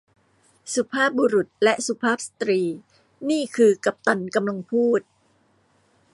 สุภาพบุรุษและสุภาพสตรี นี่คือกัปตันกำลังพูด